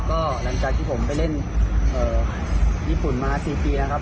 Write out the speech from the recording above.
แล้วก็หลังจากที่ผมไปเล่นเอ่อญี่ปุ่นมาสี่ปีนะครับ